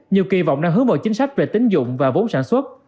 nhiều kỳ vọng đang hướng vào chính sách về tính dụng và vốn sản xuất